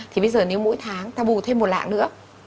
thì bây giờ nếu mỗi tháng ta bù thêm một lạng nữa